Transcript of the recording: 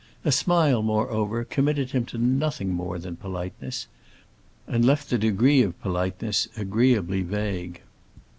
A smile, moreover, committed him to nothing more than politeness, and left the degree of politeness agreeably vague.